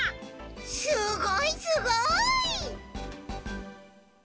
すごいすごい！